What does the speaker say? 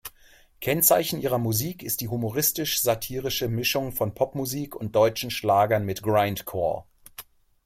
Kennzeichen ihrer Musik ist die humoristisch-satirische Mischung von Popmusik und deutschen Schlagern mit Grindcore.